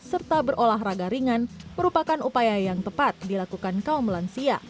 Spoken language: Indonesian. serta berolah raga ringan merupakan upaya yang tepat dilakukan kaum melansia